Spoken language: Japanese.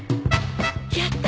やった！